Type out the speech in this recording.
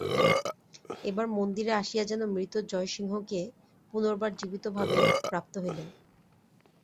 এবার মন্দিরে আসিয়া যেন মৃত জয়সিংহকে পুনর্বার জীবিতভাবে প্রাপ্ত হইলেন।